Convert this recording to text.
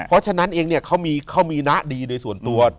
เพราะฉะนั้นเองเนี่ยเขามีนะดีโดยส่วนตัว